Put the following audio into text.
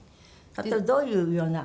例えばどういうような？